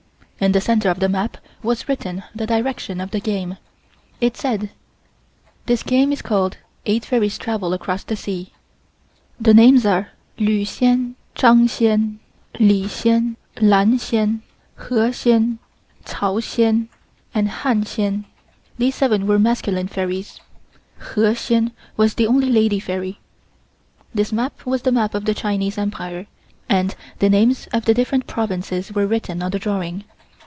In the center of the map was written the direction of the game. It said: "This game is called the 'Eight Fairies Travel across the Sea.' The names are Lu Hsien, Chang Hsien, Li Hsien, Lan Hsien, Hang Hsien, Tsao Hsien and Hain Hsien. These seven were masculine fairies. Hor Hsien was the only lady fairy." This map was the map of the Chinese Empire, and the names of the different provinces were written on the drawing.